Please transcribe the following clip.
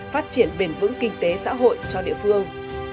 phát triển bền vững kinh tế xã hội cho địa phương